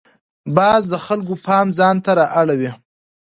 باز د خلکو پام ځان ته را اړوي